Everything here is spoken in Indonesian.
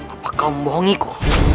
apakah kau membohongiku